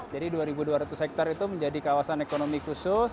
jadi dua dua ratus hektare itu menjadi kawasan ekonomi khusus